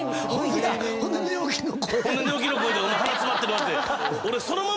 ほんで寝起きの声で鼻詰まってるわって。